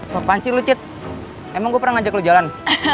mungkin lucit emang gua pernah ajak jalan